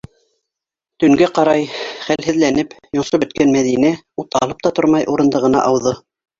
Төнгә ҡарай, хәлһеҙләнеп, йонсоп бөткән Мәҙинә, ут алып та тормай, урындығына ауҙы.